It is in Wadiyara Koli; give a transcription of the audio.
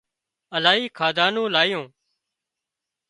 الاهي کاڌا نُون آليون